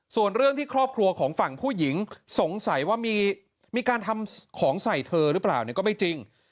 ส่วนเรื่องที่ครอบครัวของฝั่งผู้หญิงสงสัยว่ามีการทำของใส่เธอหรือเปล่าเนี่ยก็ไม่จริง